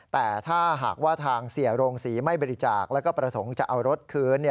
แต่ถ้าหากว่าทางเสียโรงศรีไม่บริจาคแล้วก็ประสงค์จะเอารถคืน